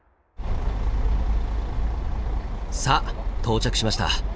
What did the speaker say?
さあ到着しました。